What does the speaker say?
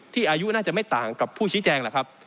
ที่อายุน่าจะไม่ต่างกับผู้ชี้แจง